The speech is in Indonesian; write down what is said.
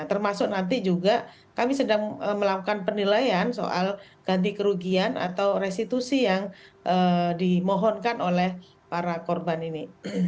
termasuk nanti juga kami sedang melakukan penilaian soal ganti kerugian atau restitusi yang dimohonkan oleh para korban ini